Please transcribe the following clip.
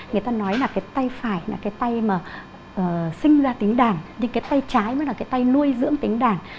người ta nói là cái tay phải là cái tay mà sinh ra tính đàn nhưng cái tay trái mới là cái tay nuôi dưỡng tính đàn